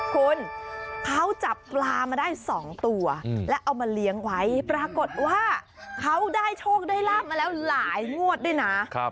คุณเขาจับปลามาได้๒ตัวแล้วเอามาเลี้ยงไว้ปรากฏว่าเขาได้โชคได้ลาบมาแล้วหลายงวดด้วยนะ